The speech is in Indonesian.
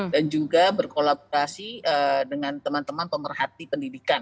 dan juga berkolaborasi dengan teman teman pemerhati pendidikan